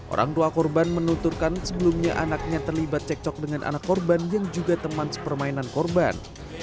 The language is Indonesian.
orang tua korban menuturkan sebelumnya anaknya terlibat cekcok dengan anak korban yang juga teman sepermainan korban